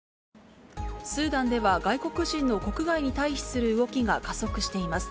スーダンでは、外国人の国外に退避する動きが加速しています。